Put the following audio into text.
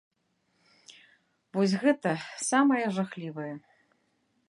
Вось гэта самае жахлівае.